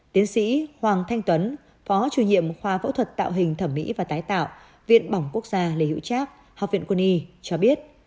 tiến sĩ hoàng thanh tuấn phó chủ nhiệm khoa phẫu thuật tạo hình thẩm mỹ và tái tạo viện bỏng quốc gia lê hữu trác học viện quân y cho biết